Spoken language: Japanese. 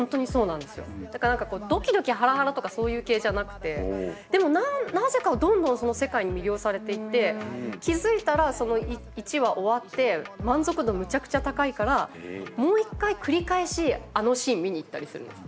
だからドキドキハラハラとかそういう系じゃなくてでもなぜかどんどんその世界に魅了されていって気付いたらその１話終わって満足度むちゃくちゃ高いからもう一回繰り返しあのシーン見に行ったりするんです。